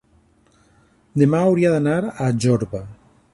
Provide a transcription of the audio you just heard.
demà hauria d'anar a Jorba.